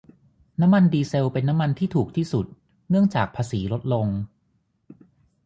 น้ำมันดีเซลเป็นน้ำมันที่ถูกที่สุดเนื่องจากภาษีลดลง